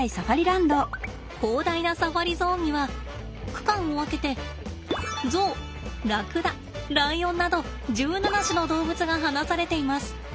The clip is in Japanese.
広大なサファリゾーンには区間を分けてゾウラクダライオンなど１７種の動物が放されています。